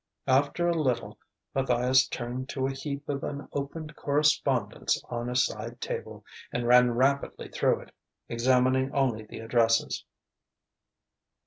After a little, Matthias turned to a heap of unopened correspondence on a side table and ran rapidly through it, examining only the addresses.